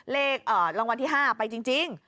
เลขรางวัลที่๕ไปจริง